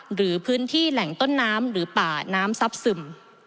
หรือพื้นที่แหล่งต้นน้ำหรือป่าน้ำซับซึม